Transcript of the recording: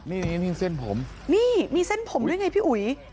นี่นี่เส้นผมนี่มีเส้นผมด้วยไงพี่อุ๋ย